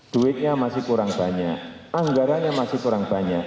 duitnya masih kurang banyak anggarannya masih kurang banyak